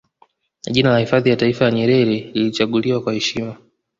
Jina la Hifadhi ya Taifa ya Nyerere lilichaguliwa kwa heshima